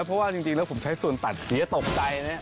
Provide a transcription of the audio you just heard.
เพราะว่าจริงแล้วผมใช้ส่วนตัดเสียตกใจนี่